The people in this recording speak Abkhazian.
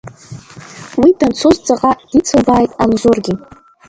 Уи данцоз ҵаҟа дицылбааит Анзоргьы.